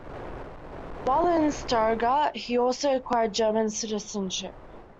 While in Stuttgart, he also acquired German citizenship.